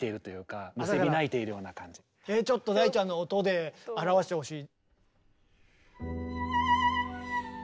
ちょっと大ちゃんの音で表してほしい。